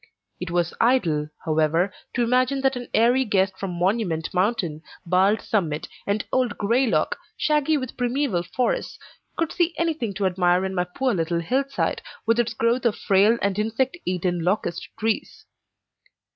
It was idle, however, to imagine that an airy guest from Monument Mountain, Bald Summit, and old Graylock, shaggy with primeval forests, could see anything to admire in my poor little hillside, with its growth of frail and insect eaten locust trees.